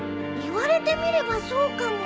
言われてみればそうかも。